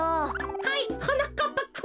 はいはなかっぱくん。